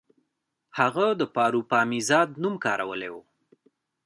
هغه د پاروپامیزاد نوم کارولی و